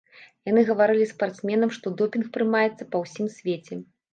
Яны гаварылі спартсменам, што допінг прымаецца па ўсім свеце.